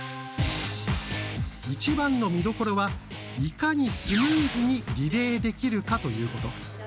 一番の見どころはいかにスムーズにリレーできるかということ。